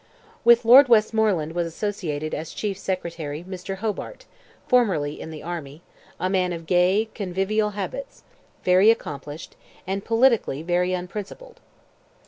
With Lord Westmoreland was associated, as Chief Secretary, Mr. Hobart, formerly in the army, a man of gay, convivial habits, very accomplished, and, politically, very unprincipled.